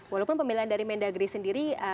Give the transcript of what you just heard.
walaupun pemilihan dari mendagri sendiri